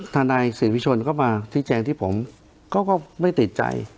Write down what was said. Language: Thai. ทนายศรีวิชนก็มาที่แจงที่ผมก็ไม่ติดใจ